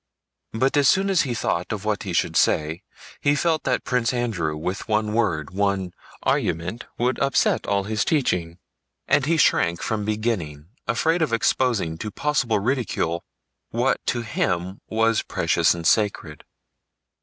But as soon as he thought of what he should say, he felt that Prince Andrew with one word, one argument, would upset all his teaching, and he shrank from beginning, afraid of exposing to possible ridicule what to him was precious and sacred.